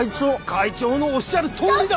会長のおっしゃるとおりだ！